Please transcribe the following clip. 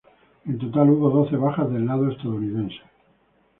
En total, hubo doce bajas del lado estadounidense.